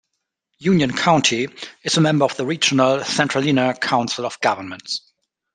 Union County is a member of the regional Centralina Council of Governments.